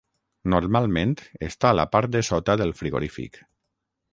Normalment està a la part de sota del frigorífic.